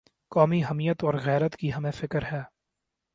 قومی حمیت اور غیرت کی ہمیں فکر ہے۔